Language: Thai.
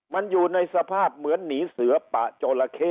มันอยู่ในสภาพเหมือนหนีเสือปะจราเข้